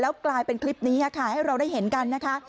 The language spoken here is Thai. กลายเป็นคลิปนี้ค่ะให้เราได้เห็นกันนะคะ